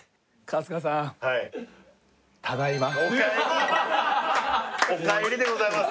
おかえりおかえりでございます